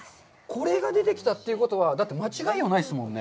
これが出てきたということは、だって間違いがないですよね。